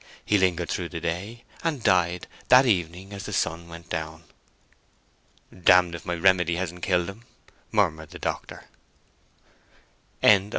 He lingered through the day, and died that evening as the sun went down. "D—d if my remedy hasn't killed him!" murmured the doctor. CHAPTER XV.